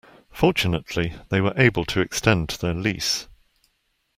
Fortunately, they were able to extend their lease.